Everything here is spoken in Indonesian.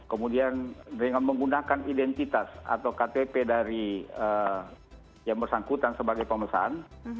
kemudian dengan menggunakan identitas atau ktp dari yang bersangkutan sebagai pemesan